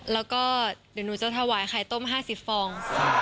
แล้วก็เดี๋ยวหนูจะถวายไข่ต้ม๕๐ฟอง